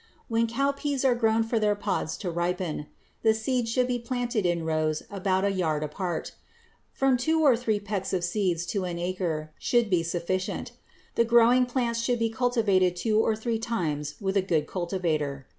When cowpeas are grown for their pods to ripen, the seeds should be planted in rows about a yard apart. From two to three pecks of seeds to an acre should be sufficient. The growing plants should be cultivated two or three times with a good cultivator.